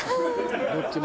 どっちも。